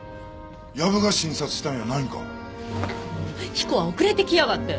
彦は遅れて来やがって。